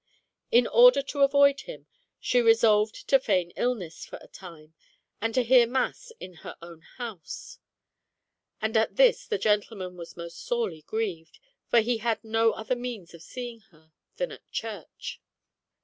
In order to avoid him, she resolved to feign illness for a time, and to hear mass in her own house ; and at this the gentleman was most sorely grieved, for he had no other means of seeing her than at church.